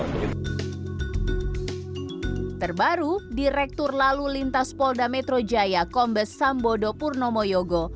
terbaru direktur lalu lintas polda metro jaya kombes sambodo purnomo yogo